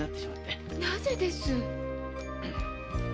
なぜです？